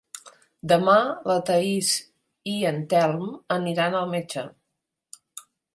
Demà na Thaís i en Telm aniran al metge.